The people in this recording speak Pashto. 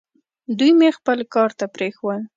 دوی مې خپل کار ته پرېښوول.